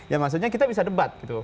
ya maksudnya kita bisa debat gitu